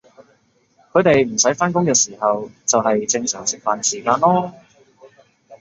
佢哋唔使返工嘅时候就係正常食飯時間囉